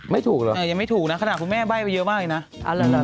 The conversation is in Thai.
ไม่ถูกเหรอยังไม่ถูกนะขนาดคุณแม่ใบ้ไปเยอะมากเลยนะ